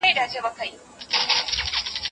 انا خپل لمانځه ته په پوره ارامۍ ادامه ورکوي.